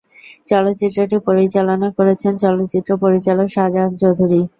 চলচ্চিত্রটি পরিচালনা করেছেন চলচ্চিত্র পরিচালক শাহজাহান চৌধুরী।